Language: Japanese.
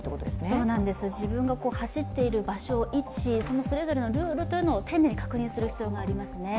そうなんです、自分が走っている場所、位置、そのそれぞれのルールを丁寧に確認する必要がありますね。